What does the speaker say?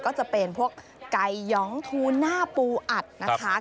ก็จะเป็นพวกไก่ยองทูน่าปูอัดนะคะ